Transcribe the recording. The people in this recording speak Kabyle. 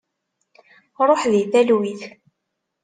Ṛuḥ di talwit!